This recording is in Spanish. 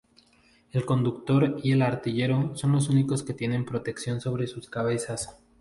El conductor y el artillero son los únicos que tienen protección sobre sus cabezas.